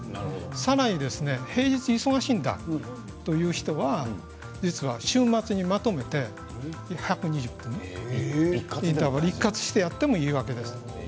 さらに平日は忙しいんだという人は週末に、まとめて１２０分インターバル一括してやってもいいわけです。